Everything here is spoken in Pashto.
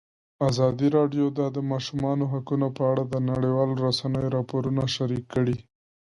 ازادي راډیو د د ماشومانو حقونه په اړه د نړیوالو رسنیو راپورونه شریک کړي.